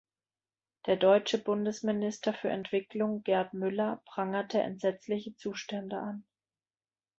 Der deutsche Bundesminister für Entwicklung Gerd Müller prangerte „entsetzliche Zustände“ an.